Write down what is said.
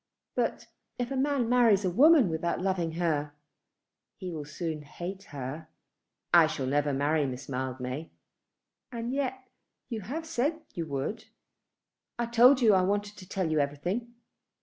But if a man marries a woman without loving her, he will soon hate her." "I shall never marry Miss Mildmay." "And yet you have said you would?" "I told you that I wanted to tell you everything.